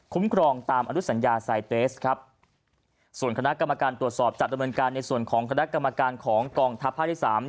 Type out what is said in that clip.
ครองตามอนุสัญญาไซเตสครับส่วนคณะกรรมการตรวจสอบจัดดำเนินการในส่วนของคณะกรรมการของกองทัพภาคที่สาม